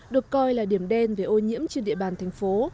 được coi là điểm đen về ô nhiễm trên địa bàn thành phố